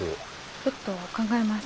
ちょっと考えます。